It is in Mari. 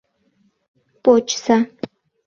Почса!..